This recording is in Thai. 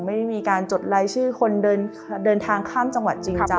ไม่ได้มีการจดรายชื่อคนเดินทางข้ามจังหวัดจริงจัง